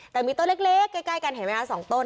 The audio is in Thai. แต่มีต้นเล็กใกล้กันเห็นไหมคะ๒ต้น